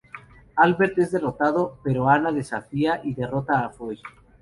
Albert es derrotado, pero Anna desafía y derrota a Foy.